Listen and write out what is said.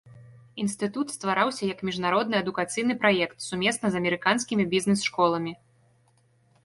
Інстытут ствараўся як міжнародны адукацыйны праект сумесна з амерыканскімі бізнес-школамі.